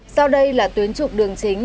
sau đây là tuyến trục đường chính